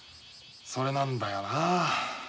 それなんだよなあ。